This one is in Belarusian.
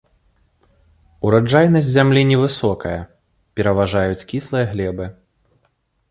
Ураджайнасць зямлі невысокая, пераважаюць кіслыя глебы.